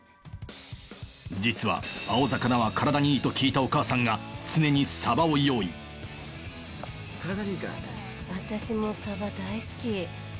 実は青魚は体にいいと聞いたお母さんが体にいいからね。